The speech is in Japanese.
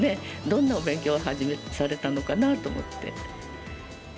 どんなお勉強初めされたのかなと思って。